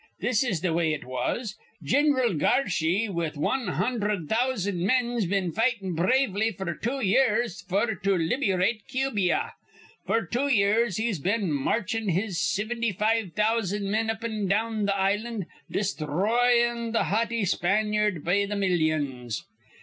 This is th' way it was: Gin'ral Garshy with wan hundherd thousan' men's been fightin' bravely f'r two years f'r to liberyate Cubia. F'r two years he's been marchin' his sivinty five thousan' men up an' down th' island, desthroyin' th' haughty Spanyard be th' millyons.